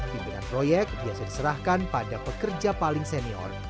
pimpinan proyek biasa diserahkan pada pekerja paling senior